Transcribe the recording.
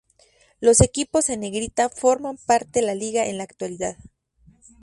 Los equipos en negrita forman parte la liga en la actualidad.